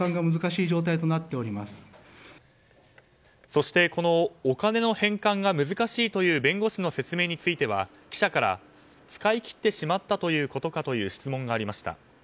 そしてこのお金の返還が難しいという弁護士の説明については記者から使い切ってしまったということかという質問がありました。